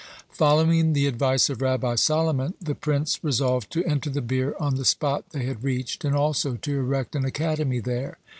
Following the advice of Rabbi Solomon, the prince resolved to enter the bier on the spot they had reached and also to erect an academy there.